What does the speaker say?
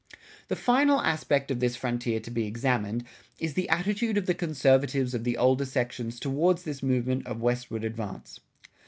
The final aspect of this frontier to be examined, is the attitude of the conservatives of the older sections towards this movement of westward advance.